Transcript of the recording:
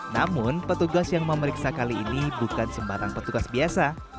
namun petugas yang memeriksa kali ini bukan sembarang petugas biasa